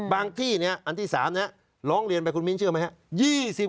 บางที่นี้อันที่สามนี้ร้องเรียนไปคุณมีนเชื่อไหมครับ